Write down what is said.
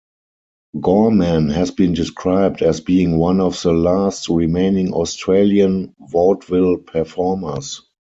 Gorman has been described as being one of the last remaining Australian vaudeville performers.